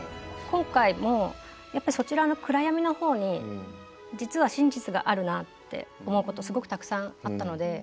今回もそちらの暗闇の方に実は真実があるなって思うことすごくたくさんあったので。